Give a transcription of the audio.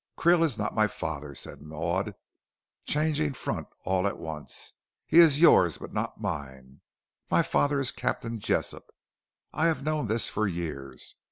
"Krill is not my father," said Maud, changing front all at once; "he is yours, but not mine. My father is Captain Jessop. I have known this for years.